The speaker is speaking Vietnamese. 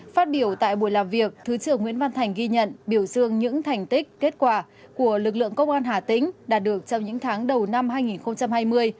phát biểu tại buổi làm việc thứ trưởng nguyễn văn thành ghi nhận biểu dương những thành tích kết quả của lực lượng công an hà tĩnh đạt được trong những tháng đầu năm hai nghìn hai mươi